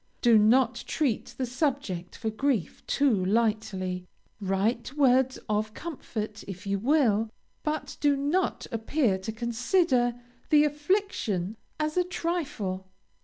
Do not treat the subject for grief too lightly. Write words of comfort if you will, but do not appear to consider the affliction as a trifle.